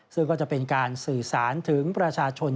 ซึ่งก็จะเป็นการสื่อสารถึงประชาชน